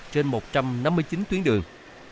trên một trăm năm mươi chín tuyến đường